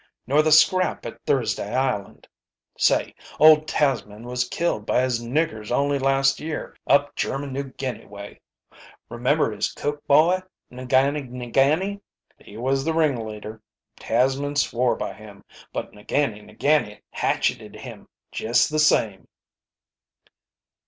nor the scrap at Thursday Island. Say old Tasman was killed by his niggers only last year up German New Guinea way. Remember his cook boy? Ngani Ngani? He was the ringleader. Tasman swore by him, but Ngani Ngani hatcheted him just the same."